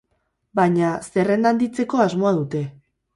Baina, zerrenda handitzeko asmoa dute.